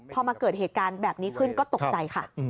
พอมาเกิดเหตุการณ์แบบนี้ขึ้นก็ตกใจค่ะ